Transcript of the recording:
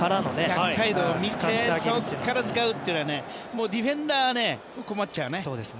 逆サイドを見てそこから使うというのはディフェンダーは困っちゃうよね。